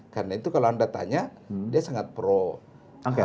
karena itu kalau anda tanya dia sangat pro angket angket